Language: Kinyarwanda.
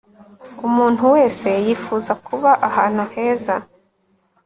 umuntu wese yifuza kuba ahantu heza